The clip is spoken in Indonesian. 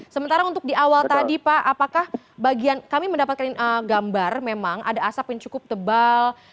sementara untuk di awal tadi pak apakah bagian kami mendapatkan gambar memang ada asap yang cukup tebal